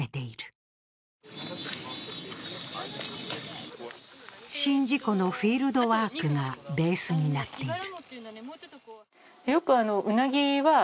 宍道湖のフィールドワークがベースになっている。